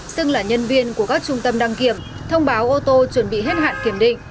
xưng là nhân viên của các trung tâm đăng kiểm thông báo ô tô chuẩn bị hết hạn kiểm định